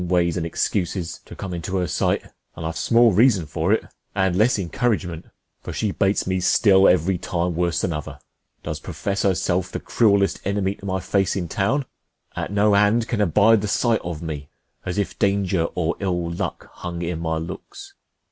I] THE CHANGELING 27 To come into her sight, and I have small reason for't, And less encouragement; for she baits me still Every time worse than other, does profess herself The cruellest enemy to my face in town, At no hand can abide the sight of me, 3 5 As if danger or ill luck hung in my looks.